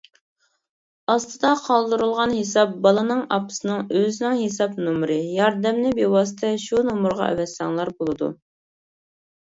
ئاستىدا قالدۇرۇلغان ھېساب بالىنىڭ ئاپىسىنىڭ ئۆزىنىڭ ھېساب نومۇرى، ياردەمنى بىۋاسىتە شۇ نومۇرغا ئەۋەتسەڭلار بولىدۇ.